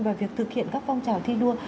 và việc thực hiện các phong trào thi đua